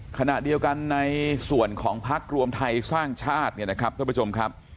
ขณะเดียวกันในส่วนของพักรวมไทยสร้างชาติเนี่ยนะครับท่านผู้ชมครับ